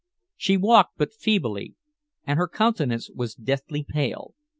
She walked but feebly, and her countenance was deathly pale.